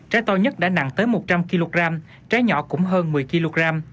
trái to nhất đã nặng tới một trăm linh kg trẻ nhỏ cũng hơn một mươi kg